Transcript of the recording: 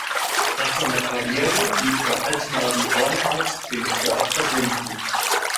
Nach seiner Karriere blieb der Hals-Nasen-Ohrenarzt dem Sport verbunden.